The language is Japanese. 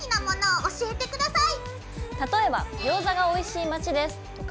例えば「ギョーザがおいしい街です」とか。